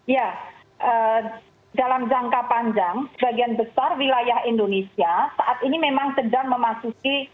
ya dalam jangka panjang sebagian besar wilayah indonesia saat ini memang sedang memasuki